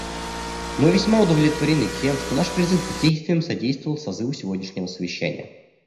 Мы весьма удовлетворены тем, что наш призыв к действиям содействовал созыву сегодняшнего Совещания.